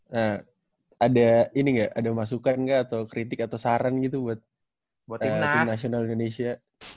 nah ada ini nggak ada masukan nggak atau kritik atau saran gitu buat tim nasional indonesia